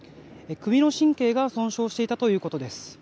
首の神経が損傷していたということです。